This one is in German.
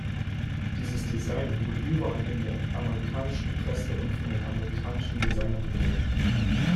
Dieses Design wurde überall in der amerikanischen Presse und von den amerikanischen Designern gelobt.